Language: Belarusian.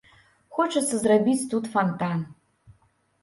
Хочацца зрабіць тут фантан.